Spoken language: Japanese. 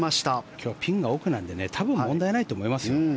今日はピンが奥なので多分、問題ないと思いますよ。